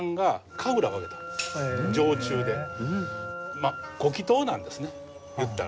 まあご祈祷なんですね言ったら。